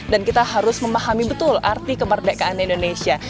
dan kita harus memahami betul arti kemerdekaan indonesia